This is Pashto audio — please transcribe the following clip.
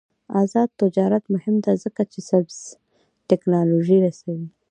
آزاد تجارت مهم دی ځکه چې سبز تکنالوژي رسوي.